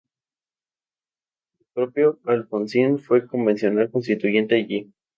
El propio Alfonsín fue convencional constituyente allí.